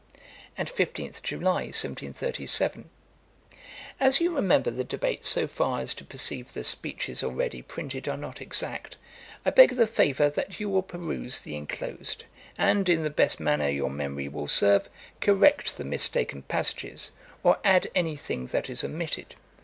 And 15th July, 1737. 'As you remember the debates so far as to perceive the speeches already printed are not exact, I beg the favour that you will peruse the inclosed, and, in the best manner your memory will serve, correct the mistaken passages, or add any thing that is omitted.